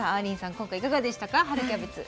今回いかがでしたか春キャベツ。